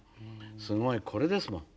すごいこれですもん。